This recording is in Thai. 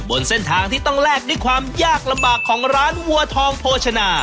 บนเส้นทางที่ต้องแลกด้วยความยากลำบากของร้านวัวทองโภชนา